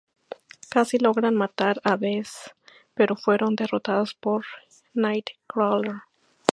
Casi lograron matar a Bess, pero fueron derrotados por Nightcrawler.